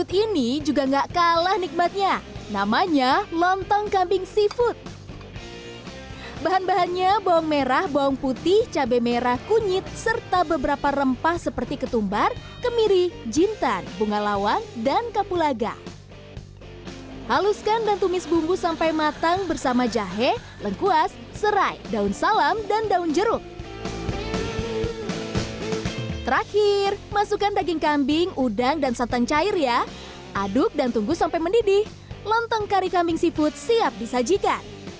tunggu sampai mendidih lonteng kari kambing seafood siap disajikan